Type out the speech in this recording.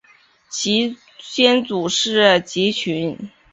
其先祖是汲郡。